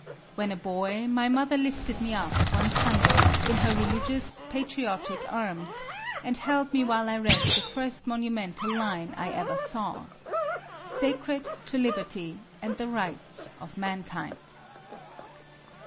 When a boy, my mother lifted me up, one Sunday, in her religious, patriotic arms, and held me while I read the first monumental line I ever saw "Sacred to Liberty and the Rights of Mankind."